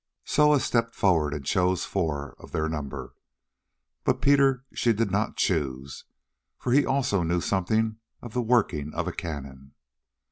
Soa stepped forward and chose four of their number, but Peter she did not choose, for he also knew something of the working of cannon.